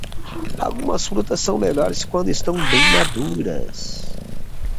Algumas frutas são melhores quando estão bem maduras.